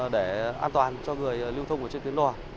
để an toàn cho người lưu thông trên tuyến đỏ